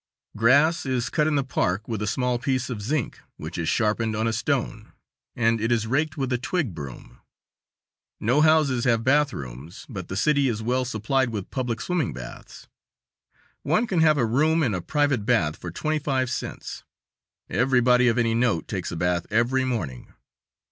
Grass is cut in the park with a small piece of zinc, which is sharpened on a stone, and it is raked with a twig broom. No houses have bathrooms, but the city is well supplied with public swimming baths. One can have a room and private bath for twenty five cents. Everybody of any note takes a bath every morning.